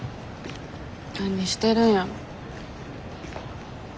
何してるんやろ。